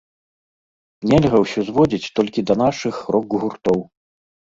Нельга ўсё зводзіць толькі да нашых рок-гуртоў.